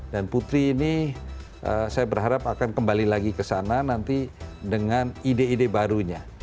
dan putri ini saya berharap akan kembali lagi ke sana nanti dengan ide ide barunya